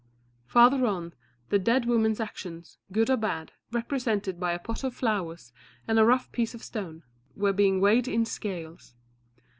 Farther on, the dead woman's actions, good or bad, represented by a pot of flowers and a rough piece of stone, were being weighed in scales.